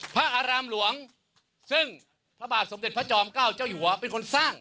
ผมยอมติดคุก